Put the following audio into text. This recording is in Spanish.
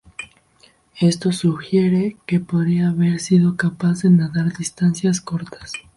Esto sugiere que podría haber sido capaz de nadar distancias cortas.